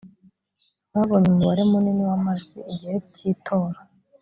babonye umubare munini w amajwi igihe cy itora